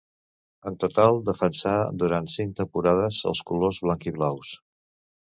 En total defensà durant cinc temporades els colors blanc-i-blaus.